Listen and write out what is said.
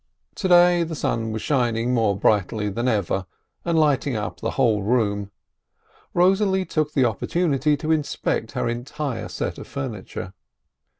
To day the sun was shining more brightly than ever, and lighting up the whole room. Rosalie took the oppor tunity to inspect her entire set of furniture.